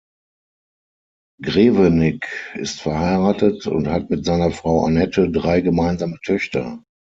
Grewenig ist verheiratet und hat mit seiner Frau Anette drei gemeinsame Töchter.